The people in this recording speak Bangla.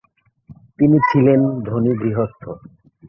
তিনি ছিলেন ধনী গৃহস্থ।